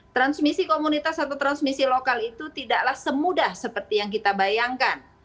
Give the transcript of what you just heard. transmisi komunitas atau transmisi lokal itu tidaklah semudah seperti yang kita bayangkan